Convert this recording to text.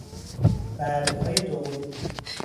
برگهای دوقلو